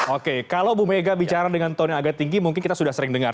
oke kalau bu mega bicara dengan tone yang agak tinggi mungkin kita sudah sering dengar